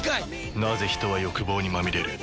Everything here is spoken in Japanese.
なぜ人は欲望にまみれる？